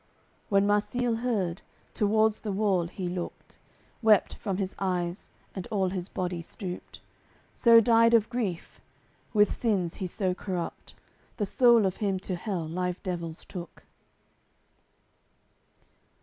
When Marsile heard, towards the wall he looked, Wept from his eyes, and all his body stooped, So died of grief. With sins he's so corrupt; The soul of him to Hell live devils took.